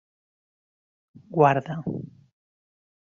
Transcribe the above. Guarda.